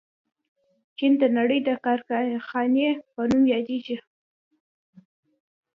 چین د نړۍ د کارخانې په نوم یادیږي.